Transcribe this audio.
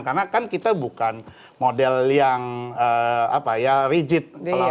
karena kan kita bukan model yang rigid